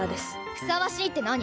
ふさわしいって何？